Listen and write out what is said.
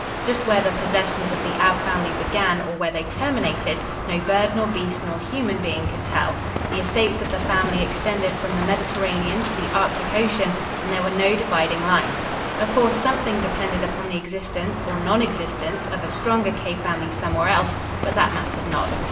Just where the possessions of the Ab family began or where they terminated no bird nor beast nor human being could tell. The estates of the family extended from the Mediterranean to the Arctic Ocean and there were no dividing lines. Of course, something depended upon the existence or non existence of a stronger cave family somewhere else, but that mattered not.